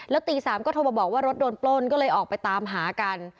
แล้วตี๓ก็โทรมาบอกว่ารถโดนปล้นก็เลยออกไปตามหากัน